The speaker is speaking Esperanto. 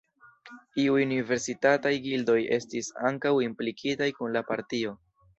Iuj universitataj gildoj estis ankaŭ implikitaj kun la partio.